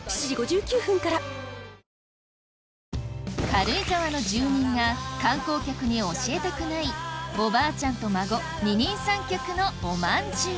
軽井沢の住人が観光客に教えたくないおばあちゃんと孫二人三脚のおまんじゅう